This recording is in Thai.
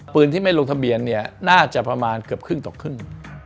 ปืนที่ไม่ลงทะเบียนเนี่ยน่าจะประมาณเกือบครึ่งต่อครึ่ง